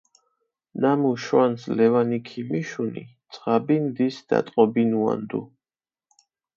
ნამუ შვანს ლევანი ქიმიშუნი, ძღაბი ნდის დატყობინუანდუ.